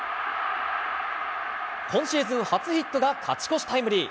今シーズン初ヒットが勝ち越しタイムリー。